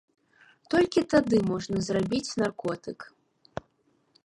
Толькі тады можна зрабіць наркотык.